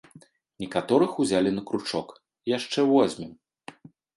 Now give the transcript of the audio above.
Некаторых узялі на кручок, яшчэ возьмем!